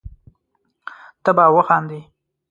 ته به وخاندي